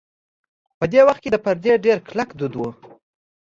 په دې وخت کې د پردې ډېر کلک دود و.